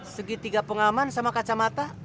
segitiga pengaman sama kacamata